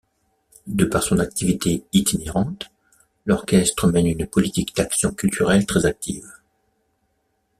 De par son activité itinérante, l'orchestre mène une politique d'action culturelle très active.